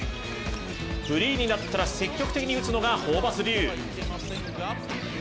フリーになったら積極的に打つのがホーバス流。